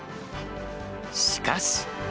しかし。